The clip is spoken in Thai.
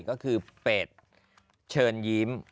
ก็คือเป็ดเชิญยิ้ม